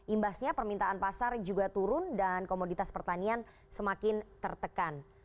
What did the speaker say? imbasnya permintaan pasar juga turun dan komoditas pertanian semakin tertekan